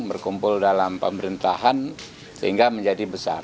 berkumpul dalam pemerintahan sehingga menjadi besar